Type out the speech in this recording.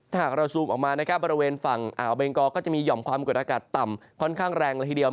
ถ้าหากเราซูมออกมานะครับบริเวณฝั่งอ่าวเบงกอก็จะมีห่อมความกดอากาศต่ำค่อนข้างแรงละทีเดียว